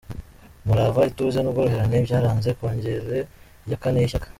umurava, ituze n’ubworoherane byaranze Kongere ya kane y’Ishyaka